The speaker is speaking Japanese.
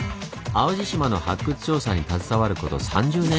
淡路島の発掘調査に携わること３０年以上！